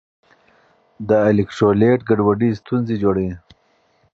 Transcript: د الیکټرولیټ ګډوډي ستونزې جوړوي.